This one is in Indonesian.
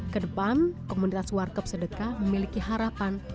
kedepan komunitas warkep sedeka memiliki harapan